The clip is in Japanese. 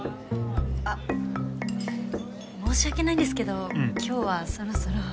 あっ申し訳ないんですけど今日はそろそろ。